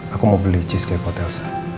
aku mau beli cheesecake buat elsa